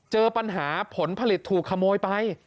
เจอปัญหาผลผลิตถูกขโมยไป